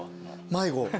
迷子。